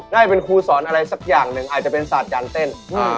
ได้เป็นครูสอนอะไรสักอย่างหนึ่งอาจจะเป็นศาสตร์การเต้น